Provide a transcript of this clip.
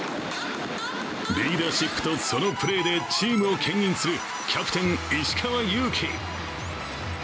リーダーシップとそのプレーでチームをけん引するキャプテン・石川祐希。